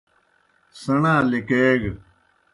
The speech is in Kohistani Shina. سیْݨا لِکیگہ۔